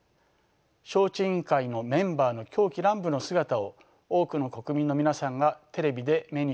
招致委員会のメンバーの狂喜乱舞の姿を多くの国民の皆さんがテレビで目にしたことと思います。